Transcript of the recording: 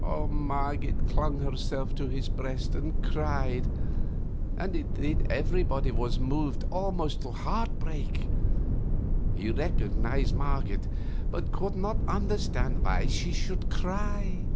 Marget flung herself on his breast and cried, and indeed everybody was moved almost to heartbreak. He recognized Marget, but could not understand why she should cry.